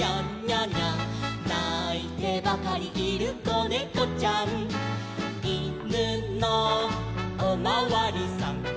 「ないてばかりいるこねこちゃん」「いぬのおまわりさん」